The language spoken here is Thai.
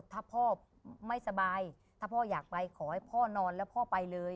ถ้าพ่อไม่สบายถ้าพ่ออยากไปขอให้พ่อนอนแล้วพ่อไปเลย